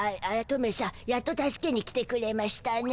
トメさんやっと助けに来てくれましゅたね。